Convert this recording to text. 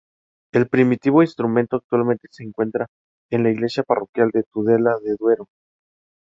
El primitivo instrumento actualmente se encuentra en la iglesia parroquial de Tudela de Duero.